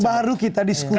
baru kita diskusi